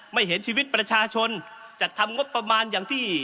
เห็นชีวิตประชาชนจัดทำงบประมาณอย่างที่